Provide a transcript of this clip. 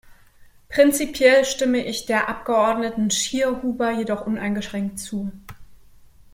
Prinzipiell stimme ich der Abgeordneten Schierhuber jedoch uneingeschränkt zu.